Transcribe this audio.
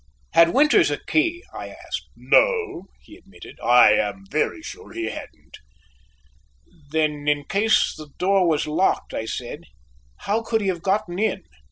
"Had Winters a key?" I asked. "No," he admitted, "I am very sure he hadn't." "Then in case the door was locked," I said, "how could he have gotten in?"